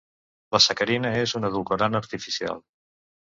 La sacarina és un edulcorant artificial.